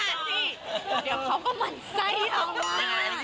อย่าสิเดี๋ยวเขาก็มันใส่ทำงาน